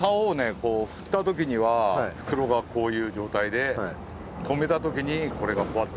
こう振った時には袋がこういう状態でとめた時にこれがふわっ。